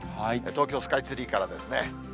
東京スカイツリーからですね。